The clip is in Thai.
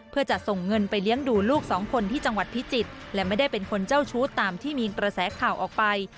เพื่อจะส่งเงินไปเลี้ยงดูลูกสองคนที่จังหวัดพิจิตรและไม่ได้เป็นคนเจ้าชู้ตามที่มีกระแสข่าวออกไป